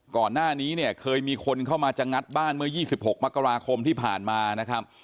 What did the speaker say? ก่อนหน้านี้เนี่ยเคยมีคนเข้ามาจะงัดบ้านเมื่อ๒๖มกราคมที่ผ่านมานะครับ